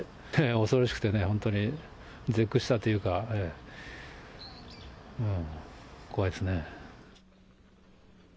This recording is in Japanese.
恐ろしくてね、本当に絶句したというか、怖いですね。